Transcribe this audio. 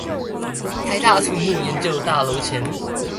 臺大土木研究大樓前